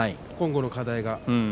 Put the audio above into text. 今後の課題は。